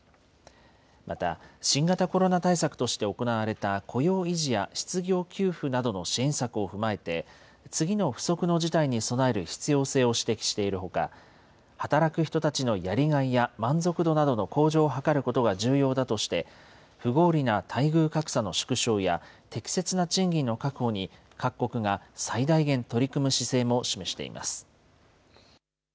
また新型コロナ対策として行われた雇用維持や失業給付などの支援策を踏まえて、次の不測の事態に備える必要性を指摘しているほか、働く人たちのやりがいや満足度などの向上を図ることが重要だとして、不合理な待遇格差の縮小や、適切な賃金の確保に各国が最大限取り組む姿勢も示しています。